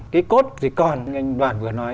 cái cốt thì còn như anh đoàn vừa nói